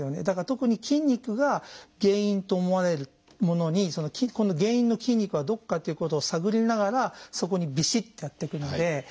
だから特に筋肉が原因と思われるものにこの原因の筋肉はどこかっていうことを探りながらそこにびしってやっていくので。